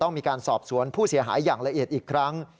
ต้องมีการสอบสวนผู้เสียหายอย่างละเอียดอีกครั้ง